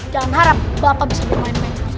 jangan harap bapak bisa bermain main